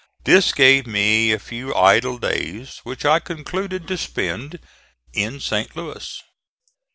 This gave me a few idle days which I concluded to spend in St. Louis.